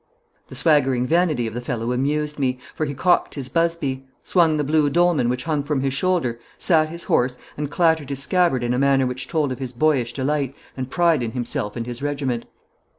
The swaggering vanity of the fellow amused me, for he cocked his busby, swung the blue dolman which hung from his shoulder, sat his horse, and clattered his scabbard in a manner which told of his boyish delight and pride in himself and his regiment.